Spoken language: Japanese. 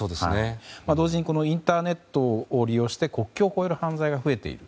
同時にインターネットを利用して国境を越える犯罪が増えている。